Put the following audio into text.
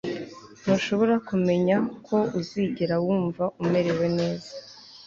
Ntushobora kumenya ko uzigera wumva umerewe neza